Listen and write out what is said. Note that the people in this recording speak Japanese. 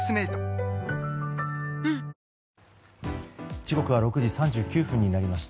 時刻は６時３９分になりました。